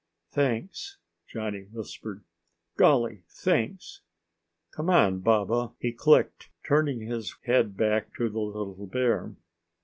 "Thanks," Johnny whispered. "Golly, thanks! Come on, Baba," he clicked, turning his head back to the little bear.